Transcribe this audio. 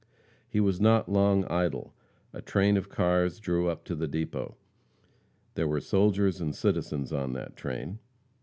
He was not long idle. A train of cars drew up to the depot. There were soldiers and citizens on that train.